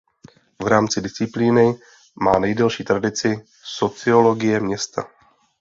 V rámci disciplíny má nejdelší tradici sociologie města.